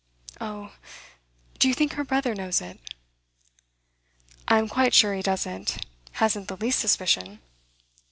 Oh, do you think her brother knows it?' 'I'm quite sure he doesn't; hasn't the least suspicion.